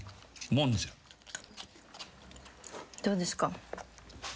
どうですか？